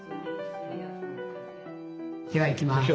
ではいきます。